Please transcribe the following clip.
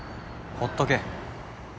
ほっとけ。